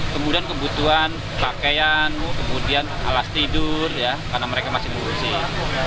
kemudian kebutuhan pakaian kemudian alas tidur ya karena mereka masih mengungsih